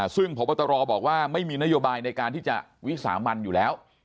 ซึ่งพบตรบอกว่าไม่มีนโยบายในการที่จะวิสามันอยู่แล้ว